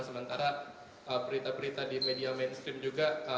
sementara berita berita di media mainstream juga